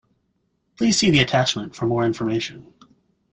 Please see the attachment for more information.